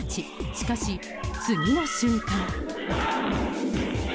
しかし、次の瞬間。